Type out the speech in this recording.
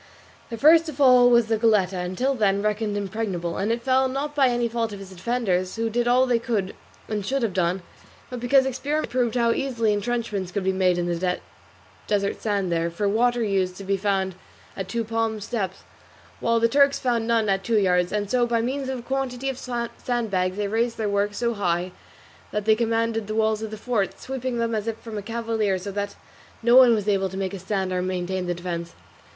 The first to fall was the Goletta, until then reckoned impregnable, and it fell, not by any fault of its defenders, who did all that they could and should have done, but because experiment proved how easily entrenchments could be made in the desert sand there; for water used to be found at two palms depth, while the Turks found none at two yards; and so by means of a quantity of sandbags they raised their works so high that they commanded the walls of the fort, sweeping them as if from a cavalier, so that no one was able to make a stand or maintain the defence.